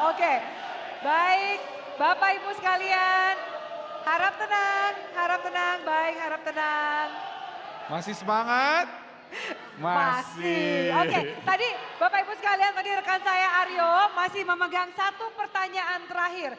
oke tadi bapak ibu sekalian tadi rekan saya aryo masih memegang satu pertanyaan terakhir